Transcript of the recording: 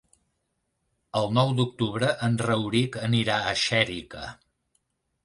El nou d'octubre en Rauric anirà a Xèrica.